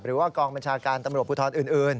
กองบัญชาการตำรวจภูทรอื่น